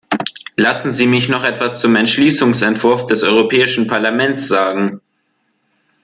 Lassen Sie mich noch etwas zum Entschließungsentwurf des Europäischen Parlaments sagen.